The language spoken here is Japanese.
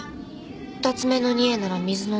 「二つ目の贄なら水の中」